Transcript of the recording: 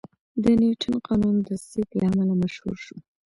د نیوتن قانون د سیب له امله مشهور شو.